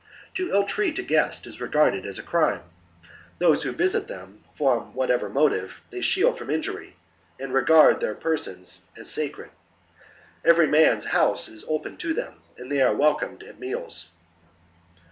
To ill treat a guest is regarded as a crime : those who visit them, from whatever motive, they shield from injury and regard their persons as sacred ; every man's house is open to them, and they are welcomed at meals.